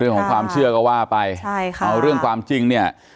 ของความเชื่อก็ว่าไปใช่ค่ะเอาเรื่องความจริงเนี่ย